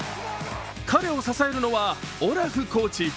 彼を支えるのはオラフコーチ。